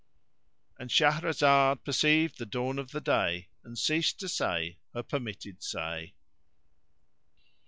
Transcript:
"—And Shahrazad perceived the dawn of day and ceased to say her permitted say.